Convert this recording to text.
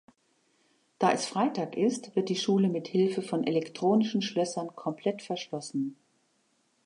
Da es Freitag ist, wird die Schule mit Hilfe von Elektronischen Schlössern komplett verschlossen.